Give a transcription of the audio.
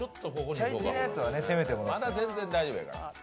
まだ全然大丈夫やから。